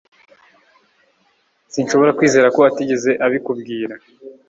Sinshobora kwizera ko atigeze abikubwira